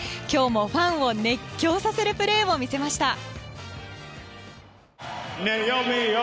今日もファンを熱狂させるプレーを見せました。